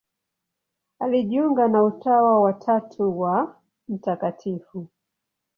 Alijiunga na Utawa wa Tatu wa Mt.